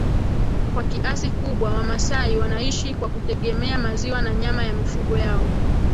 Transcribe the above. Kwa kiasi kubwa wamasai wanaishi kwa kutegemea maziwa na nyama ya mifugo yao